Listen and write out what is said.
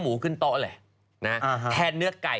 หมูขึ้นโต๊ะแหละแทนเนื้อไก่